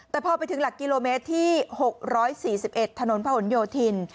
แต่พอไปถึงหลักกิโลเมตรที่๖๔๑ถนนพะหนโยธิน